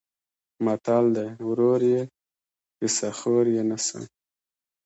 متل دی: ورور یې کسه خور یې نسه.